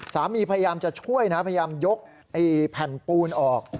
พยายามจะช่วยนะพยายามยกแผ่นปูนออก